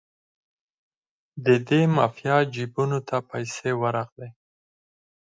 د دې مافیا جیبونو ته پیسې ورغلې.